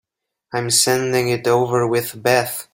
I'm sending it over with Beth.